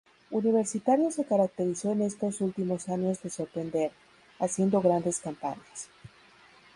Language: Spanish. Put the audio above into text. Universitario se caracterizó en estos últimos años de sorprender, haciendo grandes campañas.